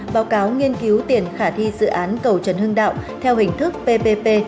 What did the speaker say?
báo cáo nghiên cứu tiền khả thi dự án cầu trần hưng đạo theo hình thức ppp